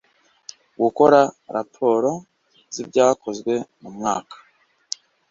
gukora raporo z’ibyakozwe mu mwaka